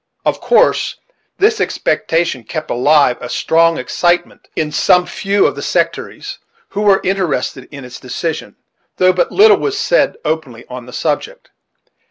Of course, this expectation kept alive a strong excitement in some few of the sectaries who were interested in its decision; though but little was said openly on the subject.